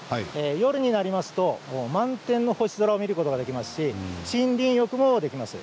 夜になりますと満天の星空を見ることができますし森林浴もできます。